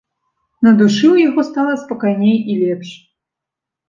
На душы ў яго стала спакайней і лепш.